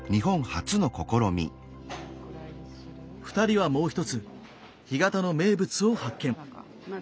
２人はもう一つ干潟の名物を発見。